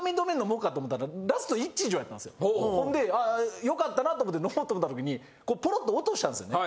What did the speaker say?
ほんでよかったなと思って飲もうと思った時にポロッと落としたんですね。